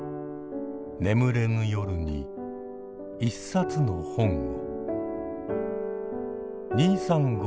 眠れぬ夜に一冊の本を。